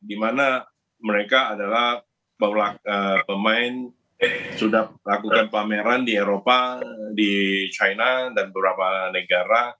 di mana mereka adalah pemain sudah lakukan pameran di eropa di china dan beberapa negara